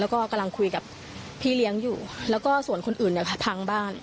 แล้วก็กำลังคุยกับพี่เลี้ยงอยู่แล้วก็ส่วนคนอื่นเนี่ยพังบ้าน